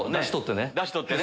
「だし取ってね」。